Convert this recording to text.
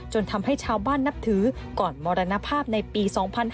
ทำให้ชาวบ้านนับถือก่อนมรณภาพในปี๒๕๕๙